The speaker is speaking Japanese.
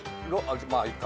まあいっか。